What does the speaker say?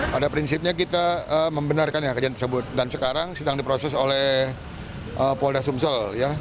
pada prinsipnya kita membenarkan kejadian tersebut dan sekarang sedang diproses oleh polda sumsel